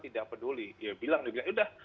tidak peduli ya bilang udah